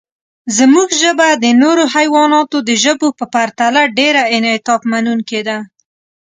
زموږ ژبه د نورو حیواناتو د ژبو په پرتله ډېر انعطافمنونکې ده.